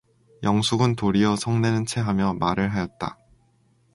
영숙은 도리어 성내는 체하며 말을 하였다.